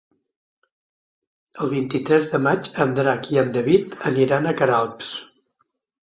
El vint-i-tres de maig en Drac i en David aniran a Queralbs.